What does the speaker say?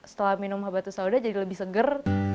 setelah minum habatus sauda jadi lebih seger